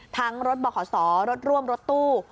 ทั้งรถบขรถร่วมรถตู้